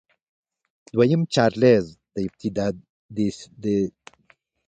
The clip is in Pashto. دویم چارلېز د استبدادي نظام لړۍ له سره پیل کړه.